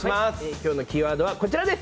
今日のキーワードはこちらです。